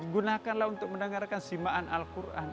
gunakanlah untuk mendengarkan simaan al quran